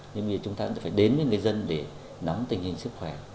nhưng mà chúng ta cũng phải đến với người dân để nắm tình hình sức khỏe